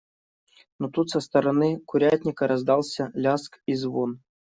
Но тут со стороны курятника раздался лязг и звон.